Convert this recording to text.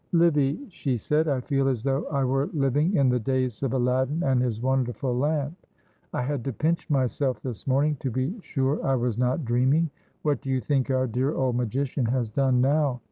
"Livy," she said, "I feel as though I were living in the days of Aladdin and his wonderful lamp. I had to pinch myself this morning, to be sure I was not dreaming. What do you think our dear old magician has done now?"